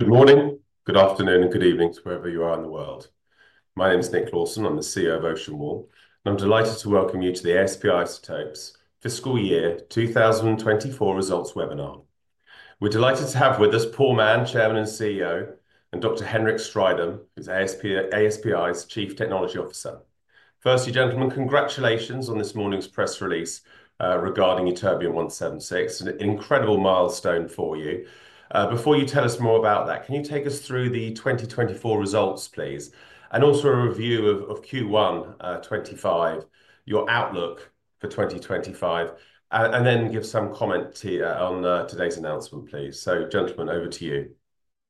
Good morning, good afternoon, and good evening to wherever you are in the world. My name is Nick Lawson. I'm the CEO of OceanWall, and I'm delighted to welcome you to the ASP Isotopes fiscal year 2024 results webinar. We're delighted to have with us Paul Mann, Chairman and CEO, and Dr. Hendrik Strydom, who's ASPI's Chief Technology Officer. Firstly, gentlemen, congratulations on this morning's press release regarding Ytterbium-176, an incredible milestone for you. Before you tell us more about that, can you take us through the 2024 results, please, and also a review of Q1 25, your outlook for 2025, and then give some comment on today's announcement, please? Gentlemen, over to you.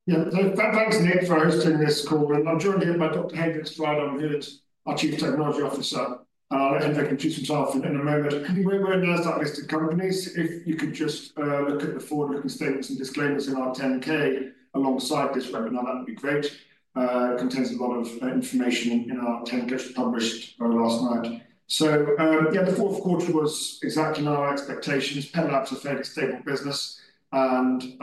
Yeah, thanks, Nick, for hosting this call. I'm joined here by Dr. Hendrik Strydom, who is our Chief Technology Officer. I'll let Hendrik introduce himself in a moment. We're a NASDAQ-listed company. If you could just look at the forward-looking statements and disclaimers in our 10-K alongside this webinar, that would be great. It contains a lot of information in our 10-K published last night. The fourth quarter was exactly our expectations. PET Labs are fairly stable business and, you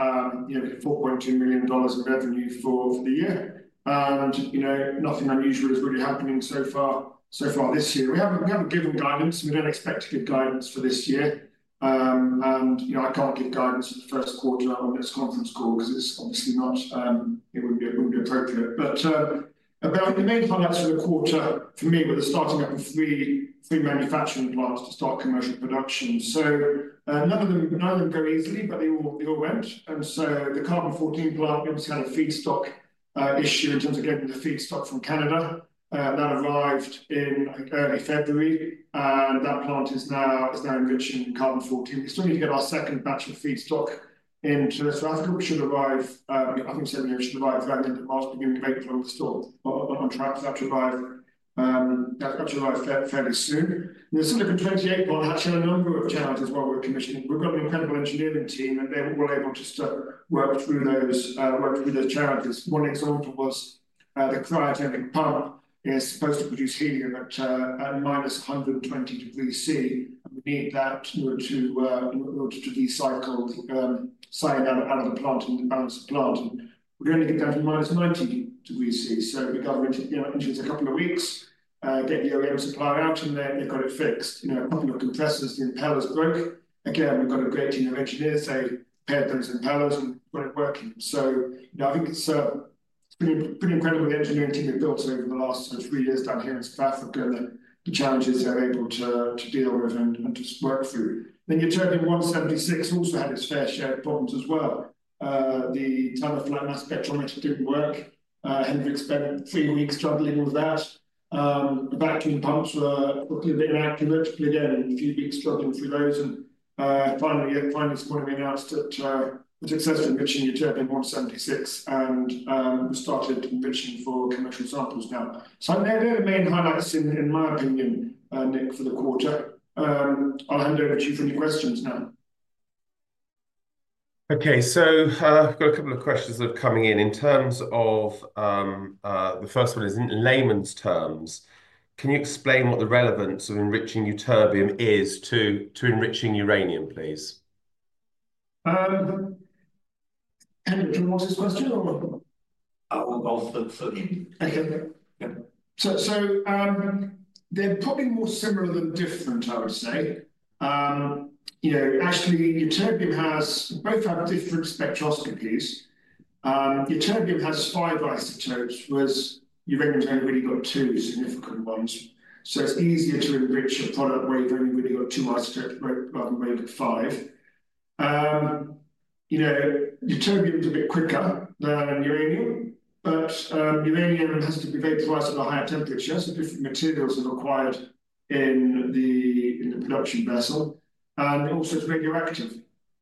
know, $4.2 million in revenue for the year. You know, nothing unusual is really happening so far, so far this year. We haven't given guidance. We don't expect to give guidance for this year. You know, I can't give guidance for the first quarter on this conference call because it's obviously not, it wouldn't be appropriate. The main highlights for the quarter, for me, were the starting up of three manufacturing plants to start commercial production. None of them go easily, but they all went. The Carbon-14 plant obviously had a feedstock issue in terms of getting the feedstock from Canada. That arrived in early February, and that plant is now enriching Carbon-14. We still need to get our second batch of feedstock into South Africa. We should arrive, I think we said we should arrive around the end of March, beginning of April. On track, that should arrive fairly soon. The Silicon-28 plant has had a number of challenges while we were commissioning. We've got an incredible engineering team, and they were able to work through those challenges. One example was the cryogenic pump is supposed to produce helium at -120 degrees Celsius, and we need that in order to recycle silane out of the plant and balance the plant. We're going to get down to -90 degrees Celsius. You know, in a couple of weeks, get the OEM supplier out, and they've got it fixed. You know, a couple of compressors, the impellers broke. Again, we've got a great team of engineers. They paired those impellers and got it working. You know, I think it's a pretty incredible engineering team we've built over the last three years down here in South Africa, and the challenges they're able to deal with and just work through. Ytterbium-176 also had its fair share of problems as well. The time-of-flight mass spectrometer didn't work. Hendrik spent three weeks juggling all of that. The vacuum pumps were a bit inaccurate, but again, a few weeks juggling through those. Finally, this morning we announced that we're successfully enriching Ytterbium-176, and we started enriching for commercial samples now. They're the main highlights in my opinion, Nick, for the quarter. I'll hand over to you for any questions now. Okay, so we've got a couple of questions that are coming in. In terms of the first one, in layman's terms, can you explain what the relevance of enriching ytterbium is to enriching uranium, please? Hendrik, do you want to ask this question or? Both of them. Okay. They're probably more similar than different, I would say. You know, actually, ytterbium has, both have different spectroscopies. Ytterbium has five isotopes, whereas uranium has only really got two significant ones. It's easier to enrich a product where you've only really got two isotopes rather than where you've got five. You know, ytterbium is a bit quicker than uranium, but uranium has to be vaporized at a higher temperature, so different materials are required in the production vessel, and also it's radioactive.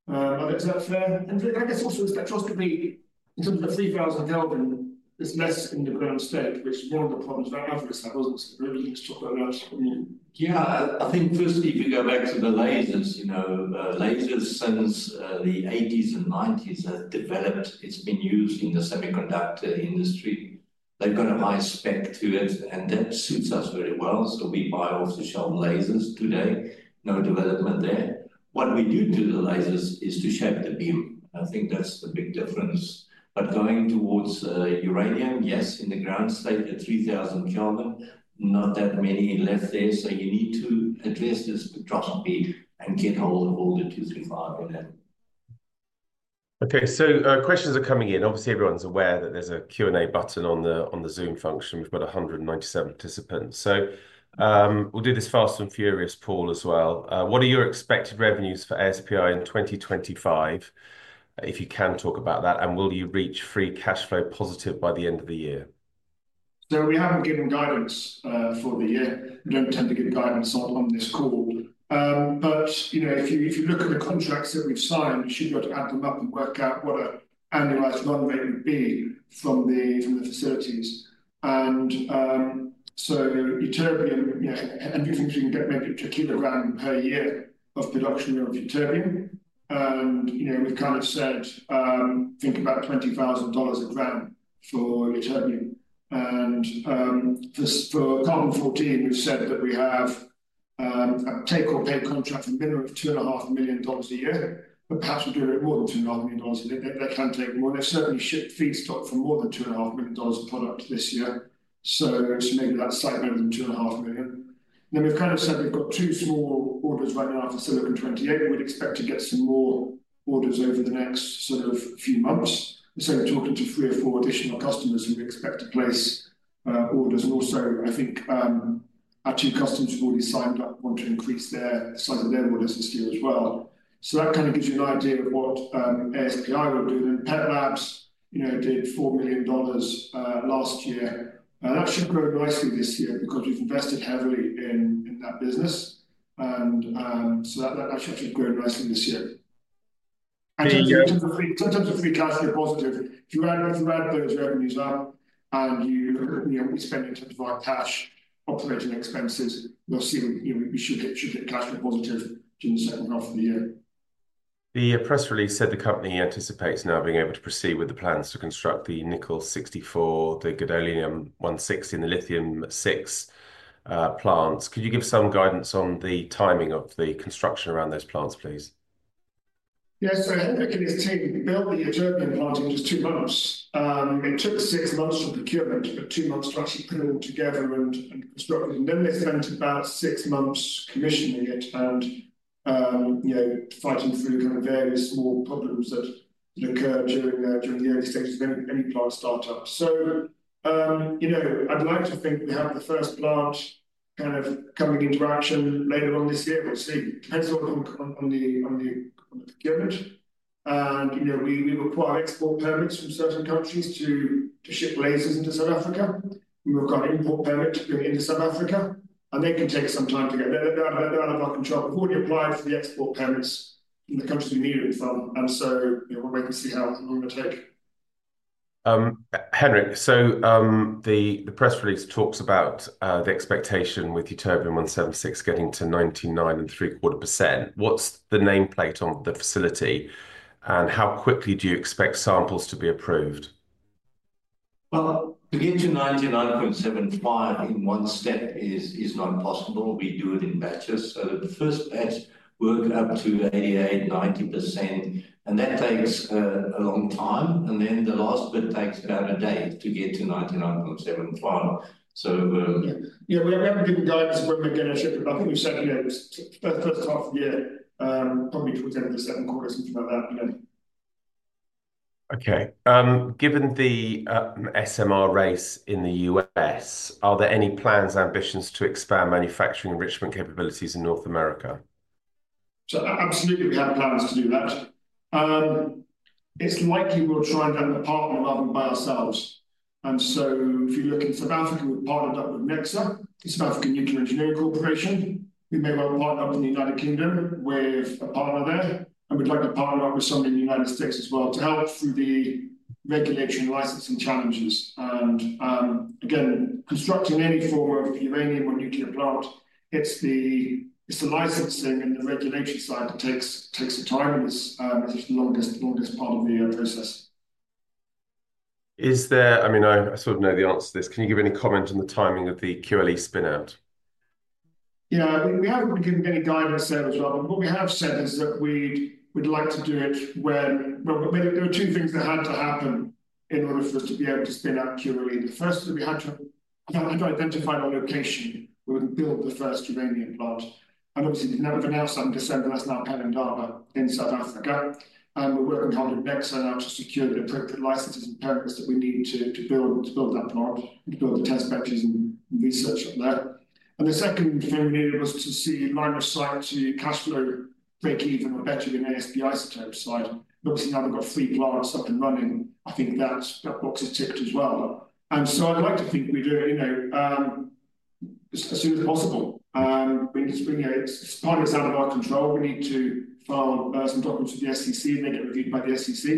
Is that fair? I guess also the spectroscopy, in terms of the 3000 Kelvin, is less in the ground state, which is one of the problems that others have, isn't it? We didn't talk about that. Yeah, I think firstly, if we go back to the lasers, you know, lasers since the 80s and 90s have developed, it's been used in the semiconductor industry. They've got a high spec to it, and that suits us very well. We buy off-the-shelf lasers today. No development there. What we do to the lasers is to shape the beam. I think that's the big difference. Going towards uranium, yes, in the ground state at 3000 Kelvin, not that many left there. You need to address the spectroscopy and get hold of all the 235 in there. Okay, questions are coming in. Obviously, everyone's aware that there's a Q&A button on the Zoom function. We've got 197 participants. We'll do this fast and furious poll as well. What are your expected revenues for ASPI in 2025? If you can, talk about that. Will you reach free cash flow positive by the end of the year? We haven't given guidance for the year. We don't tend to give guidance on this call. But, you know, if you look at the contracts that we've signed, we should be able to add them up and work out what an annualized run rate would be from the facilities. And so ytterbium, you know, and we think we can get maybe to a kilogram per year of production of ytterbium. And, you know, we've kind of said, think about $20,000 a gram for ytterbium. And for Carbon-14, we've said that we have a take-or-pay contract for a minimum of $2.5 million a year. Perhaps we'll do a little more than $2.5 million. They can take more. They've certainly shipped feedstock for more than $2.5 million of product this year. Maybe that's slightly better than $2.5 million. We've kind of said we've got two small orders right now for Silicon-28. We'd expect to get some more orders over the next few months. We're talking to three or four additional customers who we expect to place orders. I think our two customers who have already signed up want to increase the size of their orders this year as well. That kind of gives you an idea of what ASPI will do. PET Labs, you know, did $4 million last year. That should grow nicely this year because we've invested heavily in that business. That should grow nicely this year. In terms of free cash flow positive, if you add those revenues up and you spend in terms of our cash operating expenses, we'll see we should get cash flow positive during the second half of the year. The press release said the company anticipates now being able to proceed with the plans to construct the Nickel-64, the Gadolinium-160, and the Lithium-6 plants. Could you give some guidance on the timing of the construction around those plants, please? Yeah, so Hendrik and his team built the ytterbium plant in just two months. It took six months to procure it, but two months to actually put it all together and construct it. Then they spent about six months commissioning it and, you know, fighting through kind of various small problems that occur during the early stages of any plant startup. You know, I'd like to think we have the first plant kind of coming into action later on this year. We'll see. Depends on the procurement. You know, we require export permits from certain countries to ship lasers into South Africa. We require an import permit to bring it into South Africa. They can take some time to get. They're out of our control. We've already applied for the export permits from the countries we need it from. You know, we'll wait and see how long it will take. Hendrik, the press release talks about the expectation with Ytterbium-176 getting to 99.34%. What's the nameplate on the facility? How quickly do you expect samples to be approved? To get to 99.75% in one step is not possible. We do it in batches. The first batch will go up to 88%-90%. That takes a long time. The last bit takes about a day to get to 99.75%. Yeah, we haven't given guidance when we're going to ship it. I think we've said, you know, first half of the year, probably towards end of the second quarter, something like that, you know. Okay. Given the SMR race in the U.S., are there any plans, ambitions to expand manufacturing enrichment capabilities in North America? Absolutely, we have plans to do that. It's likely we'll try and have a partner rather than by ourselves. If you look in South Africa, we've partnered up with Necsa, the South African Nuclear Energy Corporation. We may well partner up in the United Kingdom with a partner there. We'd like to partner up with someone in the United States as well to help through the regulation and licensing challenges. Constructing any form of uranium or nuclear plant, it's the licensing and the regulation side that takes the time. It's the longest part of the process. Is there, I mean, I sort of know the answer to this. Can you give any comment on the timing of the QLE spin-out? Yeah, we haven't given any guidance there as well. What we have said is that we'd like to do it when there were two things that had to happen in order for us to be able to spin out QLE. The first is we had to identify the location where we can build the first uranium plant. Obviously, we've now decided that's now Pelindaba in South Africa. We're working hard with Necsa now to secure the appropriate licenses and permits that we need to build that plant and to build the test batches and research up there. The second thing we needed was to see line of sight to cash flow break even or better than ASP Isotopes side. Obviously, now we've got three plants up and running. I think that box is ticked as well. I'd like to think we do it, you know, as soon as possible. Part of it is out of our control. We need to file some documents with the SEC and they get reviewed by the SEC.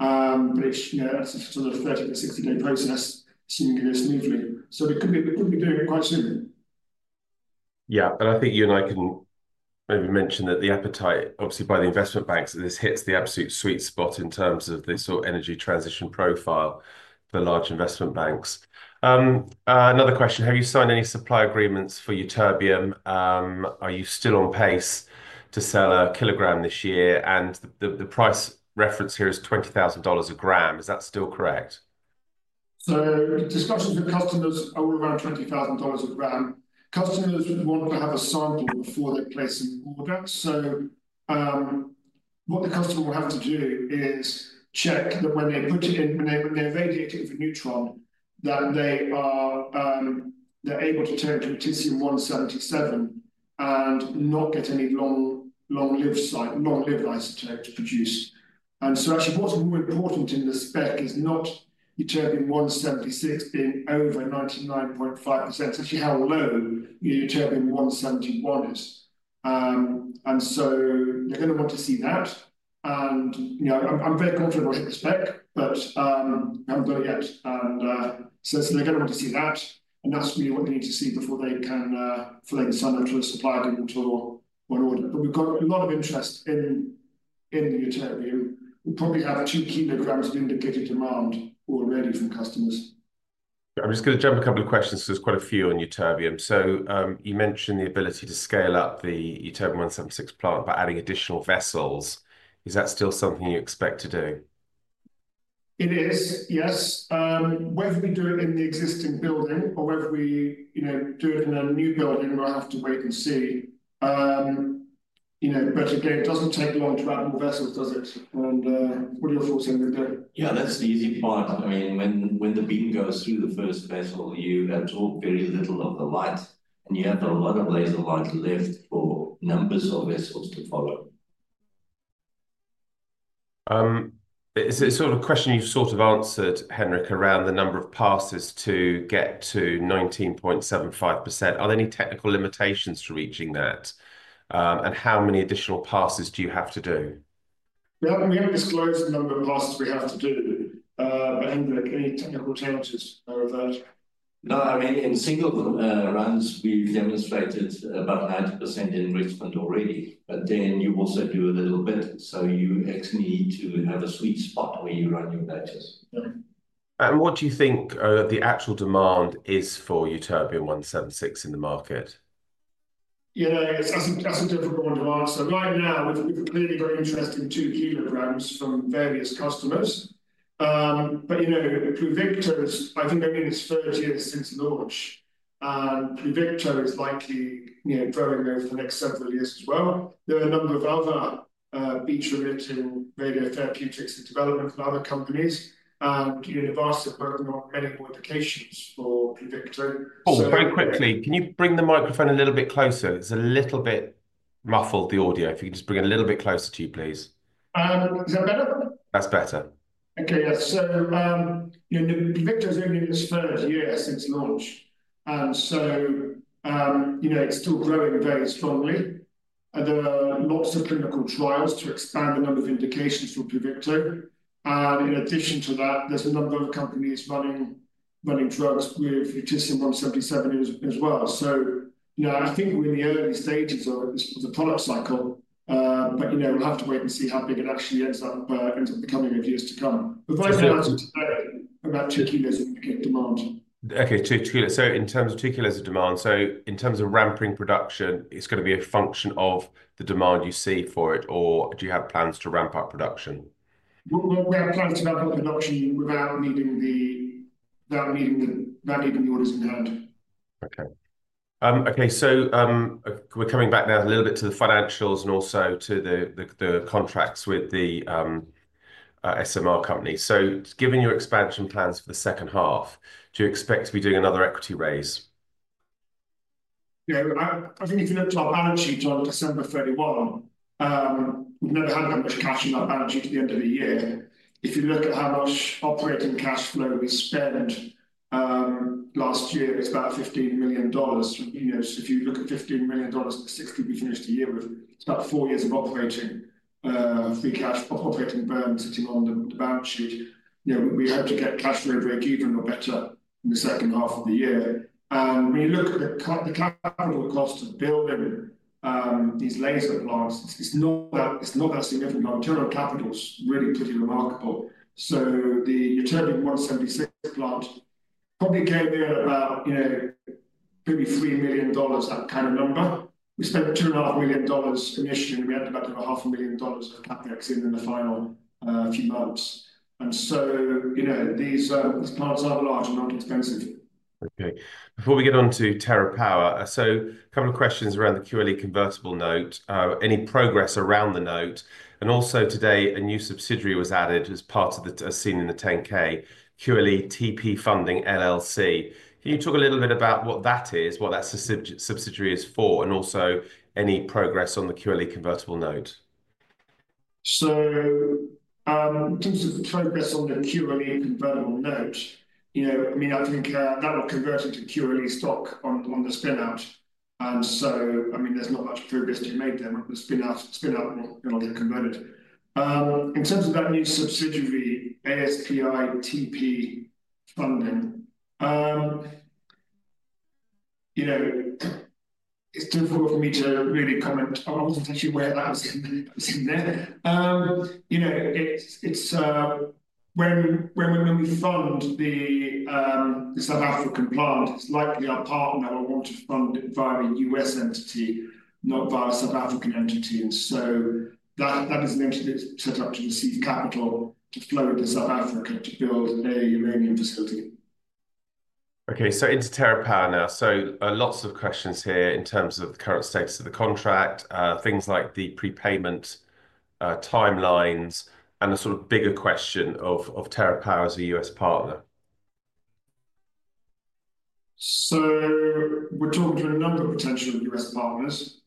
It's, you know, sort of a 30 to 60-day process, seeing if it goes smoothly. We could be doing it quite soon. Yeah, and I think you and I can maybe mention that the appetite, obviously by the investment banks, that this hits the absolute sweet spot in terms of this sort of energy transition profile for large investment banks. Another question. Have you signed any supply agreements for ytterbium? Are you still on pace to sell a kilogram this year? And the price reference here is $20,000 a gram. Is that still correct? Discussions with customers are all around $20,000 a gram. Customers want to have a sample before they place an order. What the customer will have to do is check that when they put it in, when they're radiated with a neutron, that they are able to turn to Lutetium-177 and not get any long-lived isotope to produce. Actually, what's more important in the spec is not Ytterbium-176 being over 99.5%. It's actually how low Ytterbium-171 is. They're going to want to see that. You know, I'm very confident about the spec, but I haven't got it yet. They're going to want to see that. That's really what they need to see before they can sign up to a supply agreement or an order. We've got a lot of interest in ytterbium. We probably have two kilograms of indicated demand already from customers. I'm just going to jump a couple of questions because there's quite a few on ytterbium. You mentioned the ability to scale up the ytterbium-176 plant by adding additional vessels. Is that still something you expect to do? It is, yes. Whether we do it in the existing building or whether we, you know, do it in a new building, we'll have to wait and see. You know, it doesn't take long to add more vessels, does it? What are your thoughts on that? Yeah, that's the easy part. I mean, when the beam goes through the first vessel, you absorb very little of the light. You have a lot of laser light left for numbers of vessels to follow. It's a sort of question you've sort of answered, Hendrik, around the number of passes to get to 19.75%. Are there any technical limitations to reaching that? How many additional passes do you have to do? We haven't disclosed the number of passes we have to do. Hendrik, any technical challenges out of that? No, I mean, in single runs, we've demonstrated about 90% enrichment already. You also do a little bit, so you actually need to have a sweet spot where you run your batches. What do you think the actual demand is for Ytterbium-176 in the market? Yeah, that's a difficult one to answer. Right now, we've clearly got interest in two kilograms from various customers. You know, Pluvicto, I think only in its third year since launch. Pluvicto is likely, you know, growing over the next several years as well. There are a number of other peptide radiotherapeutics in development from other companies. Universities have opened up many more applications for Pluvicto. Oh, very quickly, can you bring the microphone a little bit closer? It's a little bit muffled, the audio. If you could just bring it a little bit closer to you, please. Is that better? That's better. Okay, yeah. You know, Pluvicto is only in its third year since launch. You know, it's still growing very strongly. There are lots of clinical trials to expand the number of indications for Pluvicto. In addition to that, there's a number of companies running drugs with Lutetium-177 as well. You know, I think we're in the early stages of the product cycle. You know, we'll have to wait and see how big it actually ends up becoming in years to come. I've only answered today about 2 kilos of demand. Okay, two kilos. In terms of two kilos of demand, in terms of ramping production, it's going to be a function of the demand you see for it, or do you have plans to ramp up production? We have plans to ramp up production without needing the orders in hand. Okay. Okay, we're coming back now a little bit to the financials and also to the contracts with the SMR company. Given your expansion plans for the second half, do you expect to be doing another equity raise? Yeah, I think if you look to our balance sheet on December 31, we've never had that much cash in our balance sheet at the end of the year. If you look at how much operating cash flow we spent last year, it's about $15 million. You know, if you look at $15 million at the $60 million we finished the year with, it's about four years of operating free cash, operating burn sitting on the balance sheet. You know, we hope to get cash flow break even or better in the second half of the year. When you look at the capital cost of building these laser plants, it's not that significant. Our internal capital's really pretty remarkable. So the Ytterbium-176 plant probably came in at about, you know, maybe $3 million, that kind of number. We spent $2.5 million initially, and we added about $2.5 million of CapEx in the final few months. You know, these plants are large and not expensive. Okay. Before we get on to TerraPower, a couple of questions around the QLE convertible note. Any progress around the note? Also, today, a new subsidiary was added as part of the, as seen in the 10-K, QLE TP Funding, LLC. Can you talk a little bit about what that is, what that subsidiary is for, and also any progress on the QLE convertible note? In terms of progress on the QLE convertible note, you know, I mean, I think that will convert into QLE stock on the spin-out. I mean, there's not much progress to be made there when the spin-out will get converted. In terms of that new subsidiary, ASP TP Funding, you know, it's difficult for me to really comment on actually where that was in there. You know, when we fund the South African plant, it's likely our partner will want to fund it via a U.S. entity, not via South African entity. That is an entity that's set up to receive capital to flow into South Africa to build a uranium facility. Okay, so into TerraPower now. Lots of questions here in terms of the current status of the contract, things like the prepayment timelines, and the sort of bigger question of TerraPower as a U.S. partner. We're talking to a number of potential U.S. partners,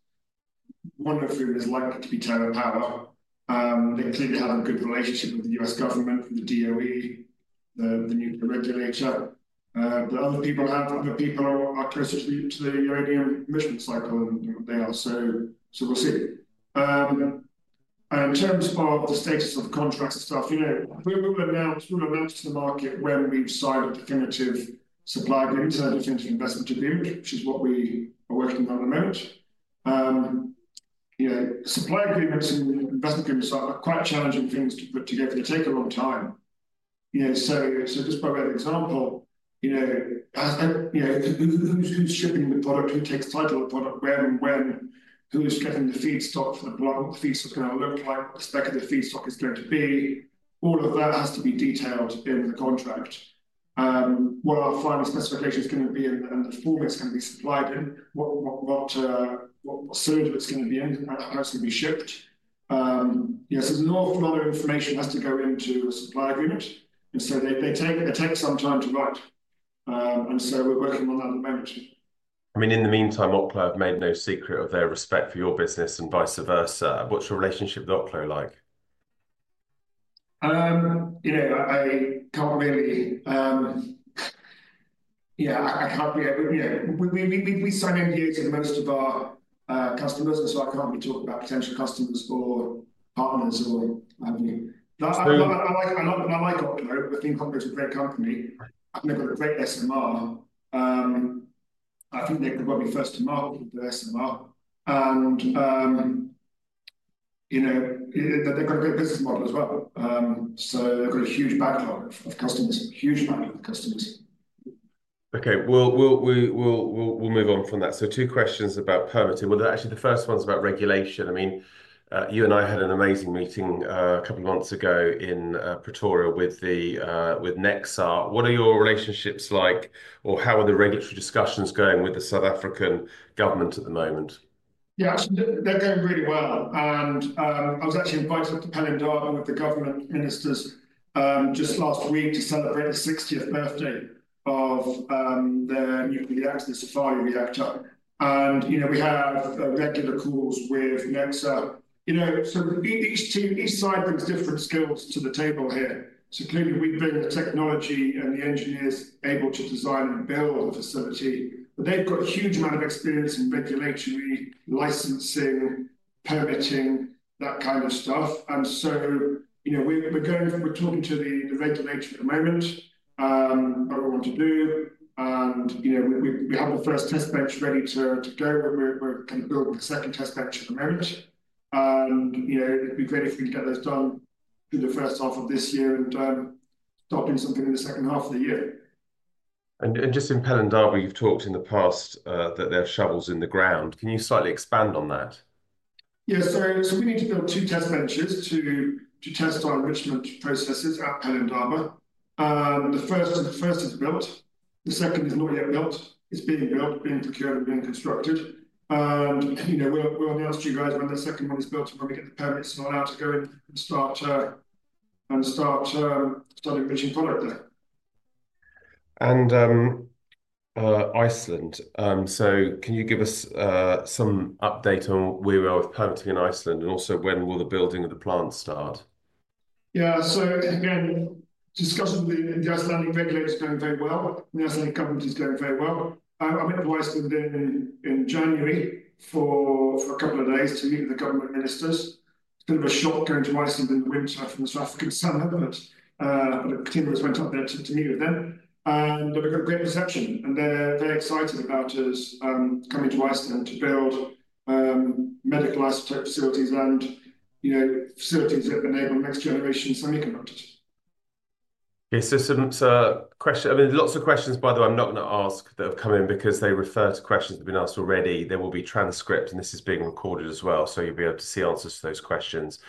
one of whom is likely to be TerraPower. They clearly have a good relationship with the U.S. government, the DOE, the nuclear regulator. Other people are closer to the uranium enrichment cycle than they are. We will see. In terms of the status of the contract stuff, you know, we will announce to the market when we've signed a definitive supply agreement, a definitive investment agreement, which is what we are working on at the moment. You know, supply agreements and investment agreements are quite challenging things to put together. They take a long time. You know, so just by way of example, you know, who's shipping the product, who takes title of the product, when and when, who's getting the feedstock for the block, what the feedstock's going to look like, what the spec of the feedstock is going to be. All of that has to be detailed in the contract. What our final specification is going to be and the form it's going to be supplied in, what cylinder it's going to be in, how it's going to be shipped. You know, so there's an awful lot of information that has to go into a supply agreement. They take some time to write. You know, we're working on that at the moment. I mean, in the meantime, Oklo have made no secret of their respect for your business and vice versa. What's your relationship with Oklo like? You know, I can't really, yeah, I can't really, you know, we sign NDAs with most of our customers. I can't really talk about potential customers or partners or what have you. I like Oklo. I think Oklo's a great company. They've got a great SMR. I think they're probably first to market with their SMR. You know, they've got a good business model as well. They've got a huge backlog of customers, a huge backlog of customers. Okay, we'll move on from that. Two questions about permitting. Actually, the first one's about regulation. I mean, you and I had an amazing meeting a couple of months ago in Pretoria with Necsa. What are your relationships like? Or how are the regulatory discussions going with the South African government at the moment? Yeah, actually, they're going really well. I was actually invited to Pelindaba with the government ministers just last week to celebrate the 60th birthday of their SAFARI-1 reactor. You know, we have regular calls with Necsa. You know, each side brings different skills to the table here. Clearly, we bring the technology and the engineers able to design and build the facility. They've got a huge amount of experience in regulatory licensing, permitting, that kind of stuff. You know, we're talking to the regulator at the moment, what we want to do. You know, we have the first test bench ready to go. We're kind of building the second test bench at the moment. You know, it'd be great if we can get those done through the first half of this year and start doing something in the second half of the year. Just in Pelindaba, you've talked in the past that they have shovels in the ground. Can you slightly expand on that? Yeah, so we need to build two test benches to test our enrichment processes at Pelindaba. The first is built. The second is not yet built. It is being built, being procured, and being constructed. And, you know, we will announce to you guys when the second one is built and when we get the permits and are allowed to go in and start enriching product there. Can you give us some update on where we are with permitting in Iceland and also when will the building of the plant start? Yeah, so again, discussion with the Icelandic regulator is going very well. The Icelandic government is going very well. I went to Iceland in January for a couple of days to meet with the government ministers. It's a bit of a shock going to Iceland in the winter from the South African summer, but I continuously went up there to meet with them. They have got a great reception. They are very excited about us coming to Iceland to build medical isotope facilities and, you know, facilities that enable next generation semiconductors. Okay, some questions, I mean, lots of questions, by the way, I'm not going to ask that have come in because they refer to questions that have been asked already. There will be transcripts, and this is being recorded as well. You'll be able to see answers to those questions.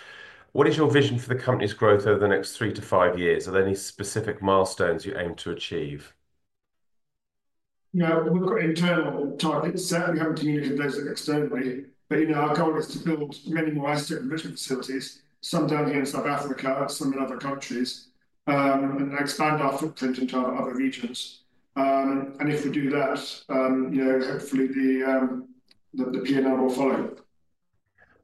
What is your vision for the company's growth over the next three to five years? Are there any specific milestones you aim to achieve? You know, we've got internal targets that we haven't communicated those externally. You know, our goal is to build many more isotope enrichment facilities, some down here in South Africa, some in other countries, and expand our footprint into other regions. If we do that, you know, hopefully the P&L will follow.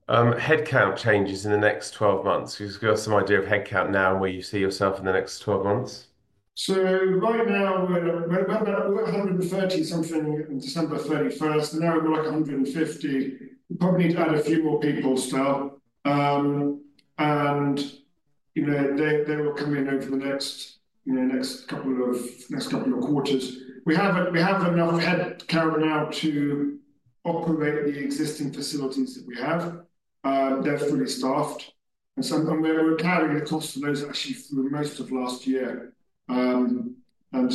Headcount changes in the next 12 months. Do you have some idea of headcount now and where you see yourself in the next 12 months? Right now, we're at 130 something on December 31st. Now we're more like 150. We probably need to add a few more people still. You know, they will come in over the next, you know, next couple of quarters. We have enough headcount now to operate the existing facilities that we have. They're fully staffed. We're carrying the costs of those actually through most of last year. Yeah, we will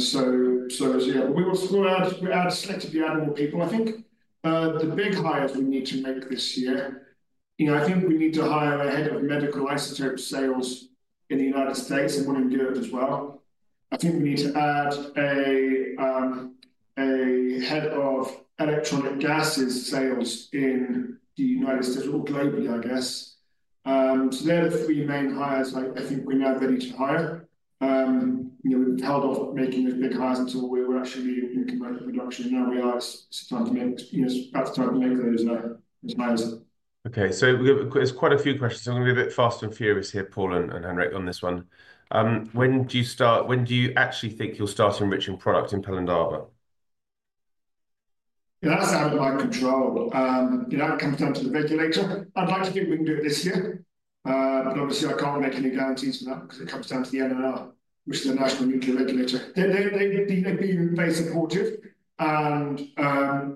selectively add more people. I think the big hires we need to make this year, you know, I think we need to hire a head of medical isotope sales in the United States and want to do it as well. I think we need to add a head of electronic gases sales in the United States, or globally, I guess. They're the three main hires I think we're now ready to hire. You know, we've held off making those big hires until we were actually in convertible production. Now we are starting to make, you know, about the time to make those hires. Okay, so there's quite a few questions. I'm going to be a bit fast and furious here, Paul and Hendrik, on this one. When do you start, when do you actually think you'll start enriching product in Pelindaba? Yeah, that's out of my control. You know, that comes down to the regulator. I'd like to think we can do it this year. Obviously, I can't make any guarantees for that because it comes down to the NNR, which is the National Nuclear Regulator. They've been very supportive.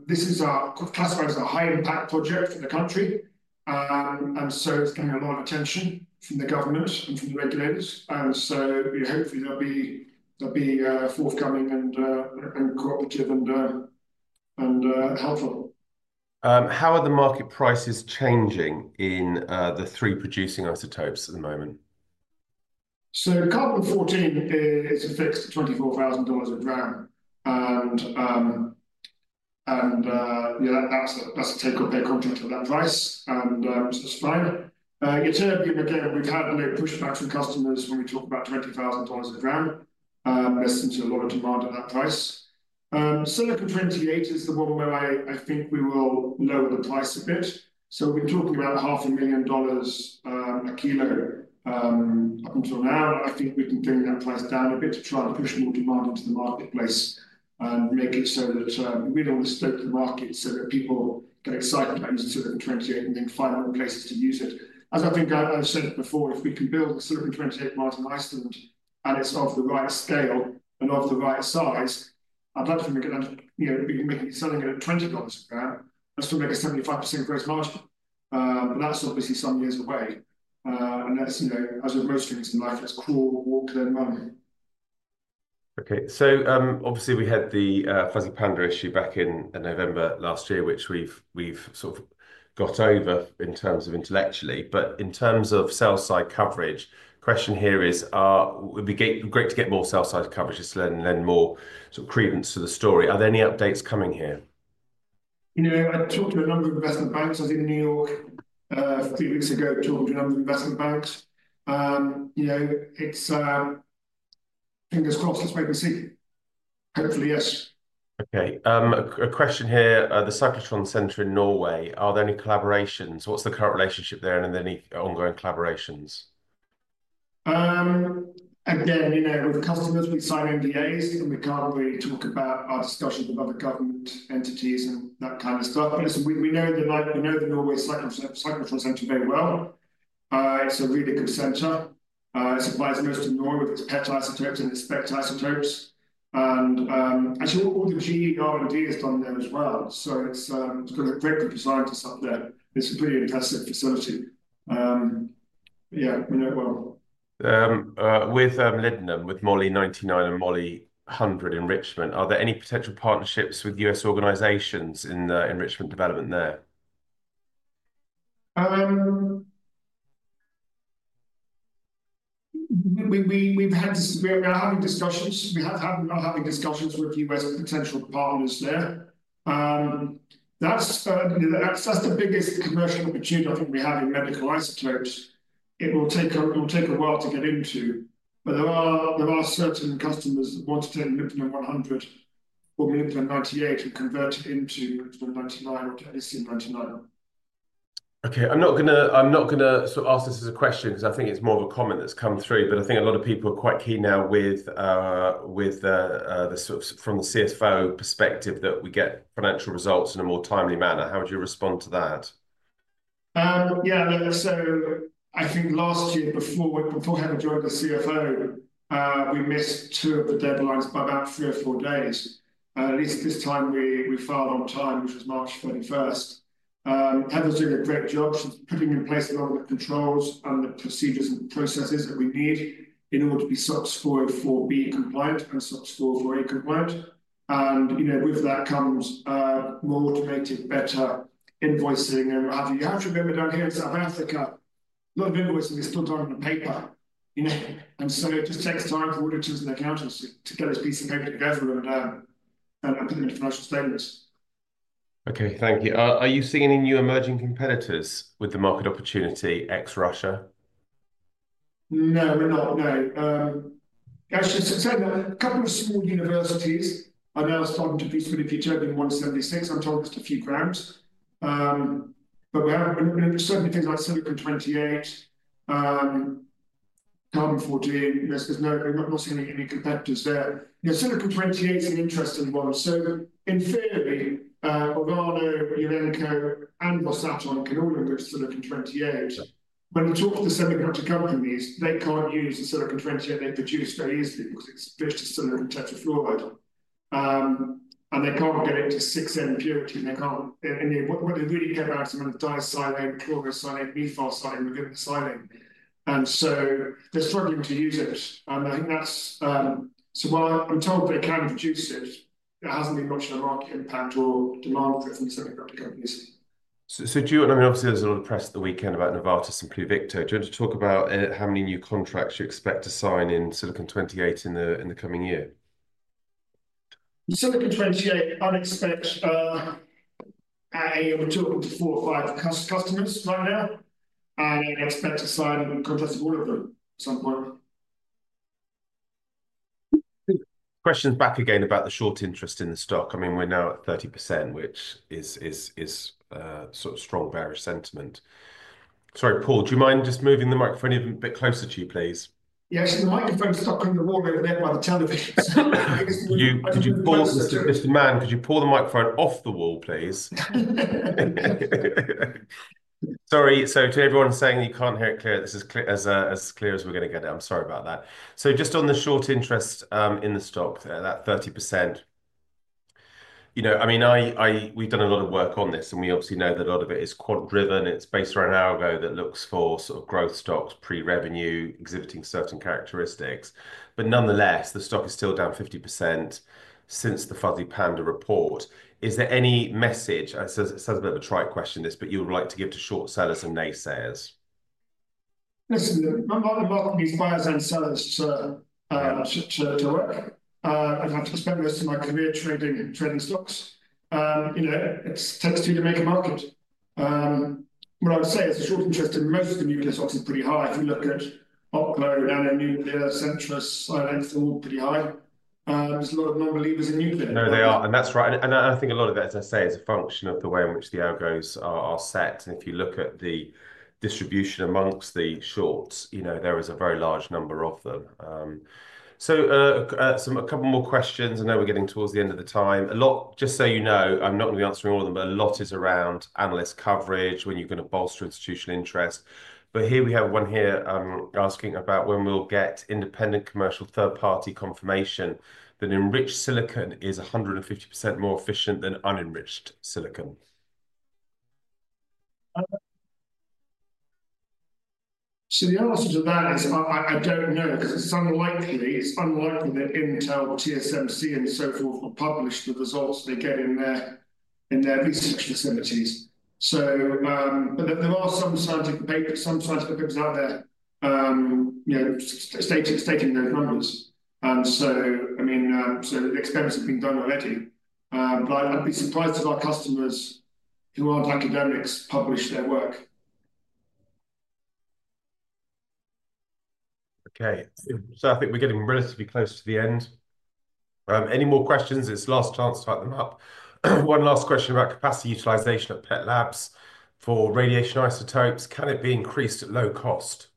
This is classified as a high-impact project for the country. It's getting a lot of attention from the government and from the regulators. You know, hopefully there'll be forthcoming and cooperative and helpful. How are the market prices changing in the three producing isotopes at the moment? Carbon-14 is a fixed $24,000 a gram. You know, that's a take-or-pay contract at that price. That's fine. Ytterbium, again, we've had no pushback from customers when we talk about $20,000 a gram. There seems to be a lot of demand at that price. Silicon-28 is the one where I think we will lower the price a bit. We've been talking about $500,000 a kilo up until now. I think we can bring that price down a bit to try and push more demand into the marketplace and make it so that we know the scope of the market so that people get excited about using Silicon-28 and then find more places to use it. As I think I've said before, if we can build the Silicon-28 plant in Iceland and it's of the right scale and of the right size, I'd like to think we can be selling it at $20 a gram and still make a 75% gross margin. That is obviously some years away. That is, you know, as with most things in life, that's crawl or walk then run. Okay, so obviously we had the Fuzzy Panda issue back in November last year, which we've sort of got over in terms of intellectually. But in terms of sell-side coverage, the question here is, it would be great to get more sell-side coverage just to lend more sort of credence to the story. Are there any updates coming here? You know, I talked to a number of investment banks. I was in New York a few weeks ago, talking to a number of investment banks. You know, it's fingers crossed, let's wait and see. Hopefully, yes. Okay, a question here. The Cyclotron Center in Norway, are there any collaborations? What's the current relationship there and any ongoing collaborations? Again, you know, with customers, we sign NDAs and we can't really talk about our discussions with other government entities and that kind of stuff. We know the Norway Cyclotron Center very well. It's a really good centre. It supplies most of Norway with its PET isotopes and its SPECT isotopes. Actually, all the GE and R&D is done there as well. It's got a great group of scientists up there. It's a pretty impressive facility. Yeah, we know it well. With molybdenum, with Molybdenum-99 and Molybdenum-100 enrichment, are there any potential partnerships with U.S. organizations in enrichment development there? We're having discussions. We have had discussions with U.S. potential partners there. That's the biggest commercial opportunity I think we have in medical isotopes. It will take a while to get into. There are certain customers that want to take Molybdenum-100 or Molybdenum-98 and convert it into Molybdenum-99 or to Technetium-99. Okay, I'm not going to sort of ask this as a question because I think it's more of a comment that's come through. I think a lot of people are quite keen now with the sort of from the CFO perspective that we get financial results in a more timely manner. How would you respond to that? Yeah, I think last year, before Heather joined as CFO, we missed two of the deadlines by about three or four days. At least this time we filed on time, which was March 31st. Heather's doing a great job. She's putting in place a lot of the controls and the procedures and processes that we need in order to be SOX 404(b)-compliant and SOX 404(a)-compliant. You know, with that comes more automated, better invoicing and what have you. You have to remember down here in South Africa, a lot of invoicing is still done on paper. You know, it just takes time for auditors and accountants to get this piece of paper together and put it into financial statements. Okay, thank you. Are you seeing any new emerging competitors with the market opportunity ex-Russia? No, we're not, no. Actually, a couple of small universities are now starting to be split if you turn in 176 and target a few grams. But we're certainly things like Silicon-28, Carbon-14. There's not seemingly any competitors there. You know, Silicon-28 is an interesting one. So in theory, Orano, Urenco, and Rosatom can all embrace Silicon-28. When you talk to semiconductor companies, they can't use the Silicon-28 they produce very easily because it's silicon tetrafluoride. And they can't get it to 6N purity. And they can't, and what they really care about is the amount of disilane, chlorosilane, methoxysilane, and the silane. And so they're struggling to use it. And I think that's, so while I'm told they can produce it, there hasn't been much of a market impact or demand for it from semiconductor companies. Do you, I mean, obviously there's a lot of press at the weekend about Novartis and Pluvicto. Do you want to talk about how many new contracts you expect to sign in Silicon-28 in the coming year? Silicon-28, I'd expect, we're talking to four or five customers right now. I expect to sign contracts with all of them at some point. Questions back again about the short interest in the stock. I mean, we're now at 30%, which is sort of strong bearish sentiment. Sorry, Paul, do you mind just moving the microphone even a bit closer to you, please? Yes, the microphone's stuck on the wall over there by the television. Could you, Paul, Mr. Mann, could you pull the microphone off the wall, please? Sorry, to everyone saying you can't hear it clear, this is as clear as we're going to get it. I'm sorry about that. Just on the short interest in the stock there, that 30%, you know, I mean, we've done a lot of work on this and we obviously know that a lot of it is quant driven. It's based around Algo that looks for sort of growth stocks, pre-revenue, exhibiting certain characteristics. Nonetheless, the stock is still down 50% since the Fuzzy Panda report. Is there any message, and it sounds a bit of a trite question this, but you would like to give to short sellers and naysayers? Listen, the market requires end sellers to work. I've had to spend most of my career trading stocks. You know, it takes two to make a market. What I would say is the short interest in most of the nuclear stocks is pretty high. If you look at Oklo, Nano Nuclear, Centrus, I think it's all pretty high. There's a lot of non-believers in nuclear. No, they are. That's right. I think a lot of that, as I say, is a function of the way in which the algos are set. If you look at the distribution amongst the shorts, you know, there is a very large number of them. A couple more questions. I know we're getting towards the end of the time. A lot, just so you know, I'm not going to be answering all of them, but a lot is around analyst coverage, when you're going to bolster institutional interest. Here we have one here asking about when we'll get independent commercial third-party confirmation that enriched silicon is 150% more efficient than unenriched silicon. The answer to that is I don't know because it's unlikely. It's unlikely that Intel, TSMC, and so forth will publish the results they get in their research facilities. There are some scientific papers, some scientific papers out there, you know, stating those numbers. I mean, the experiments have been done already. I'd be surprised if our customers who aren't academics publish their work. Okay, I think we're getting relatively close to the end. Any more questions? It's last chance to type them up. One last question about capacity utilization at PET Labs for radiation isotopes. Can it be increased at low cost?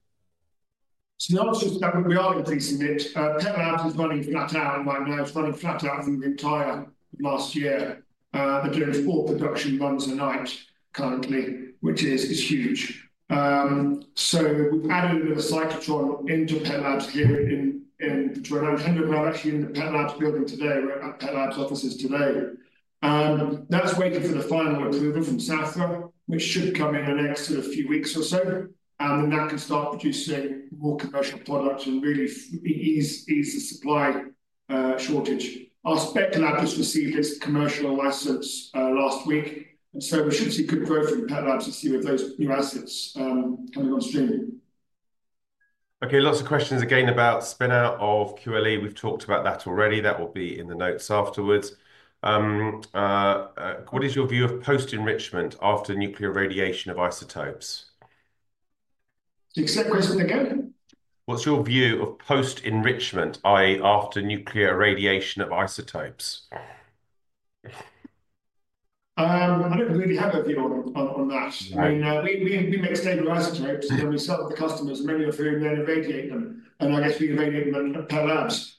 The answer is we are increasing it. PET Labs is running flat out right now. It's running flat out through the entire last year. They're doing four production runs a night currently, which is huge. We've added a little bit of Cyclotron into PET Labs here in Pretoria. We are actually in the PET Labs building today. We're at PET Labs offices today. That's waiting for the final approval from SAHPRA, which should come in the next sort of few weeks or so. That can start producing more commercial products and really ease the supply shortage. Our SPECT lab just received its commercial license last week. We should see good growth in PET Labs this year with those new assets coming on stream. Okay, lots of questions again about spin-out of QLE. We've talked about that already. That will be in the notes afterwards. What is your view of post-enrichment after nuclear radiation of isotopes? Exact question again? What's your view of post-enrichment, i.e., after nuclear radiation of isotopes? I don't really have a view on that. I mean, we make stable isotopes and then we sell them to customers, many of whom then irradiate them. I guess we irradiate them at PET Labs.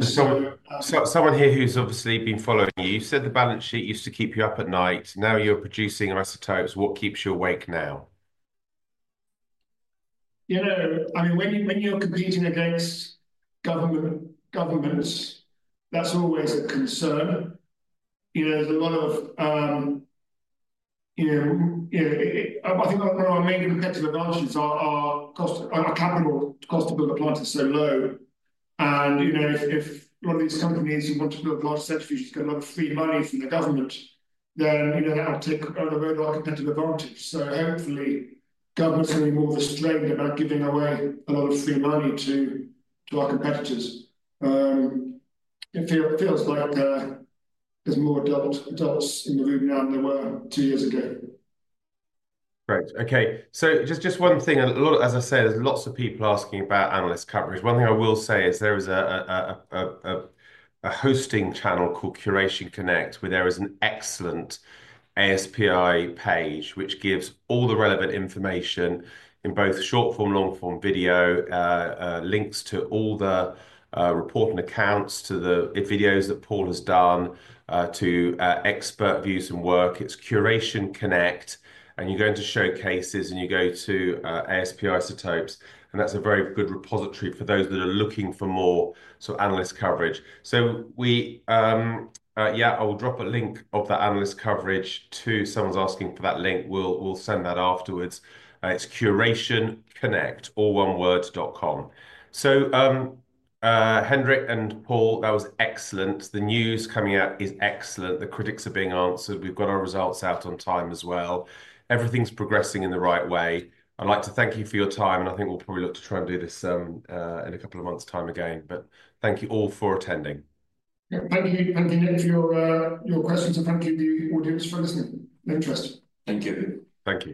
Someone here who's obviously been following you, you said the balance sheet used to keep you up at night. Now you're producing isotopes. What keeps you awake now? You know, I mean, when you're competing against governments, that's always a concern. You know, there's a lot of, you know, I think one of our main competitive advantages are our capital, cost to build a plant is so low. You know, if a lot of these companies who want to build large centrifuges get a lot of free money from the government, then, you know, that will take away our competitive advantage. Hopefully, governments are going to be more restrained about giving away a lot of free money to our competitors. It feels like there's more adults in the room now than there were two years ago. Great. Okay, just one thing. As I say, there's lots of people asking about analyst coverage. One thing I will say is there is a hosting channel called Curation Connect where there is an excellent ASPI page which gives all the relevant information in both short form, long form video, links to all the reporting accounts, to the videos that Paul has done, to expert views and work. It's Curation Connect and you go into showcases and you go to ASP Isotopes. That's a very good repository for those that are looking for more sort of analyst coverage. Yeah, I will drop a link of that analyst coverage to someone's asking for that link. We'll send that afterwards. It's curationconnect.com. Hendrik and Paul, that was excellent. The news coming out is excellent. The critics are being answered. We've got our results out on time as well. Everything's progressing in the right way. I'd like to thank you for your time. I think we'll probably look to try and do this in a couple of months' time again. Thank you all for attending. Thank you. Again, for your questions and thank you to the audience for listening. No stress. Thank you. Thank you.